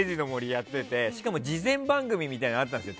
やっててしかも、事前番組みたいなのやってたんですよ。